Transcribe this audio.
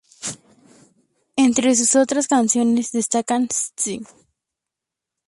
Entre sus otras canciones, destacan: "St.